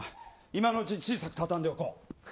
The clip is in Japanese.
今のうちに小さく畳んでおこう。